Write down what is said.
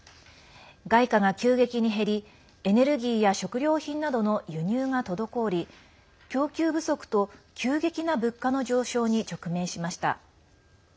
外貨が急激に減りエネルギーや食料品などの輸入が滞り供給不足と急激な物価の上昇に直面しました。